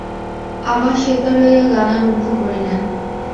আবার সেতার লইয়া গান আরম্ভ করিলেন।